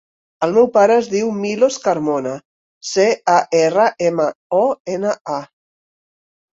El meu pare es diu Milos Carmona: ce, a, erra, ema, o, ena, a.